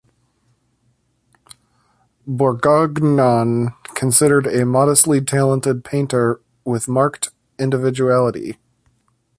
Borgognone considered a modestly talented painter with marked individuality.